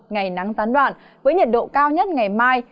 ngày nắng gián đoạn với nhiệt độ cao nhất ngày mai